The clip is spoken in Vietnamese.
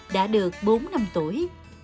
đã được bốn năm tuổi